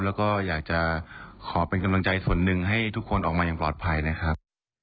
แล้วก็อยากจะขอเป็นกำลังใจส่วนหนึ่งให้ทุกคนออกมาอย่างปลอดภัยนะครับ